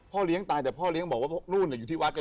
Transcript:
พ่อเลี้ยงตายแต่พ่อเลี้ยงบอกว่าพวกนู้นเนี้ยอยู่ที่วัดกันลูก